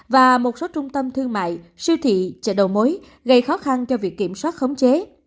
và một số trung tâm thương mại siêu thị chợ đầu mối gây khó khăn cho việc kiểm soát khống chế